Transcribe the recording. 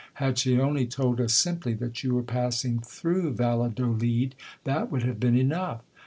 Had she only told us simply that you were passing through Valladolid, that would have been enough.